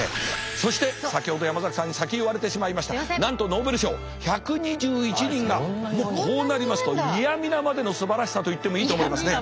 そして先ほど山崎さんに先言われてしまいましたなんとノーベル賞１２１人がもうこうなりますと嫌みなまでのすばらしさと言ってもいいと思いますね。